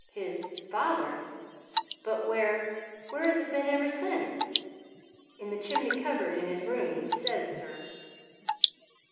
"His father! But where where has it been ever since?" "In the chimney cupboard in his room, he says, sir."